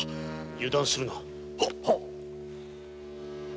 油断するな。